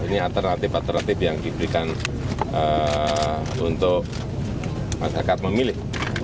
ini alternatif alternatif yang diberikan untuk masyarakat memilih